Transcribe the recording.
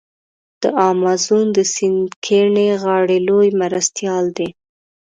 د امازون د سیند کیڼې غاړي لوی مرستیال دی.